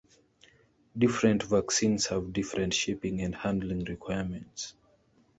Different vaccines have different shipping and handling requirements.